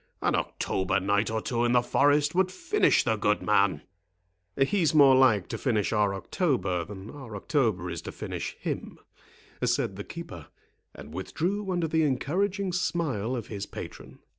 An October night or two in the forest would finish the good man." "He's more like to finish our October than our October is to finish him," said the keeper; and withdrew under the encouraging smile of his patron.